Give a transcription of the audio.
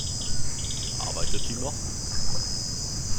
Arbeitet die noch?